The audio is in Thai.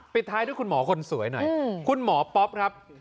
ท้ายด้วยคุณหมอคนสวยหน่อยคุณหมอป๊อปครับ